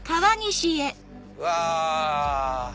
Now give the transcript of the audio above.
うわ！